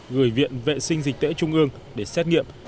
gửi viện vệ sinh dịch tễ trung ương để xét nghiệm